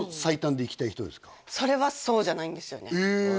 それはそうじゃないんですよねえ！